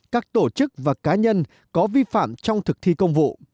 các tổ chức và cá nhân có vi phạm trong thực thi công vụ